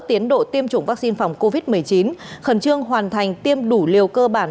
tiến độ tiêm chủng vaccine phòng covid một mươi chín khẩn trương hoàn thành tiêm đủ liều cơ bản